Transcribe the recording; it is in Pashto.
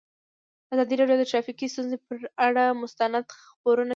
ازادي راډیو د ټرافیکي ستونزې پر اړه مستند خپرونه چمتو کړې.